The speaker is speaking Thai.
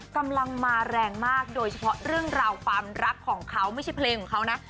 กำลังมาแรงมากโดยเฉพาะเรื่องราวความรักของเขาไม่ใช่เพลงของเขานะ